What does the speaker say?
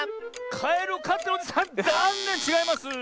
カエルをかってるおじさんざんねんちがいます。